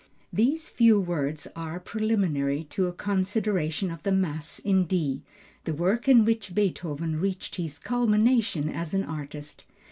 These few words are preliminary to a consideration of the Mass in D, the work in which Beethoven reached his culmination as an artist.